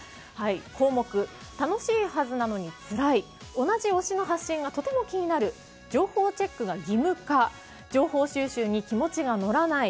項目楽しいはずなのにつらい同じ推しの発信がとても気になる情報チェックが義務化情報収集に気持ちが乗らない。